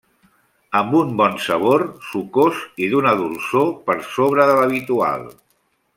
Amb un bon sabor, sucós i d'una dolçor per sobre de l'habitual.